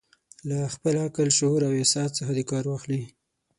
له خپل عقل، شعور او احساس څخه دې کار واخلي.